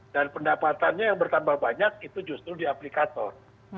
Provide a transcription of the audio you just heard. pendapatannya yang bertambah banyak itu justru di aplikator